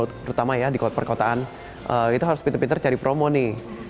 terutama ya di per per kotaan itu harus pinter pinter cari promo nih